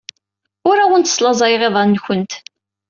Ur awent-slaẓayeɣ iḍan-nwent.